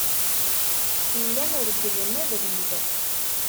Llan regglen abrid.